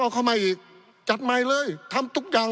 ปี๑เกณฑ์ทหารแสน๒